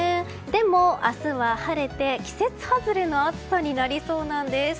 でも、明日は晴れて季節外れの暑さになりそうなんです。